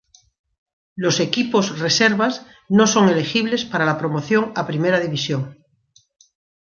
Los equipos reservas no son elegibles para la promoción a primera división.